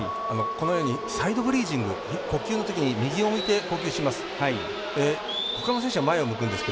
このようにサイドブリージング呼吸のときに右を向いて呼吸します。